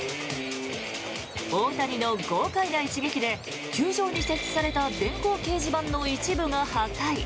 大谷の豪快な一撃で球場に設置された電光掲示板の一部が破壊。